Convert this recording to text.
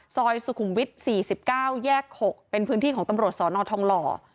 ซอยสุขุมวิทย์๔๙แยก๖เป็นพื้นที่ของตำรวจสนทองหล่อ